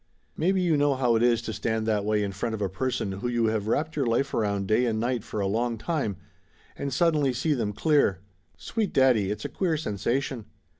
Maybe you know how it is to stand that way in front of a person who you have wrapped your life around day and night for a long time, and suddenly see them clear? Sweet daddy, it's a queer sensation